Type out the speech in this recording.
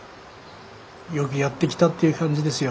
よくやってきたっていう感じですよ